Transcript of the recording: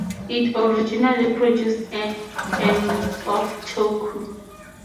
It originally produced and of torque.